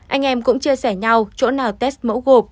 anh em cũng chia sẻ nhau chỗ nào test mẫu gộp